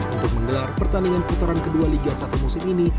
untuk menggelar pertandingan putaran kedua liga satu musim ini